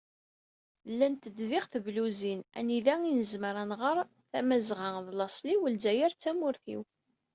Llant-d diɣ tebluzin anida i nezmer ad d-nɣer: “Tamazɣa d laṣel-iw, Lezzayer d tamurt-iw."